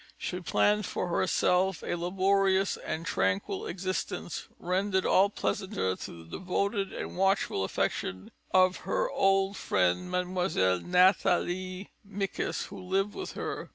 She planned for herself a laborious and tranquil existence, rendered all the pleasanter through the devoted and watchful affection of her old friend, Mlle. Nathalie Micas, who lived with her.